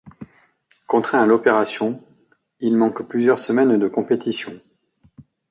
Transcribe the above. Contraint à l'opération, il manque plusieurs semaines de compétition.